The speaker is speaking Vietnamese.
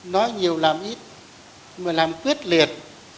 nói nhiều làm ít mà làm quyết liệt